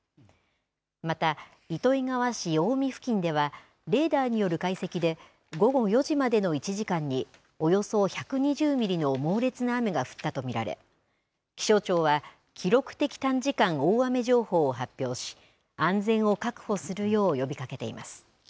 また糸魚川市青海付近では、レーダーによる解析で、午後４時までの１時間に、およそ１２０ミリの猛烈な雨が降ったと見られ、気象庁は、記録的短時間大雨情報を発表し、安全を確保するよう呼びかけています。